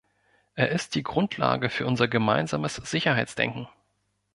Er ist die Grundlage für unser gemeinsames Sicherheitsdenken.